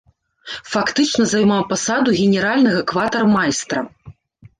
Фактычна займаў пасаду генеральнага кватармайстра.